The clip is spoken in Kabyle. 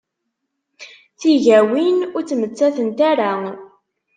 Tigawin ur ttmettatent ara.